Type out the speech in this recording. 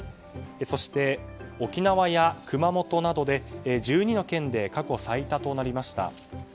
そして、沖縄や熊本など１２の県で過去最多となりました。